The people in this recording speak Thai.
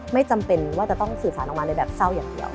ไม่จำเป็นว่าจะต้องสื่อสารออกมาเลยแบบเศร้าอย่างเดียว